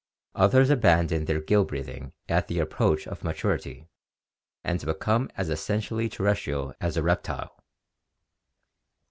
Others abandon their gill breathing at the approach of maturity and become as essenr tially terrestrial as a reptile.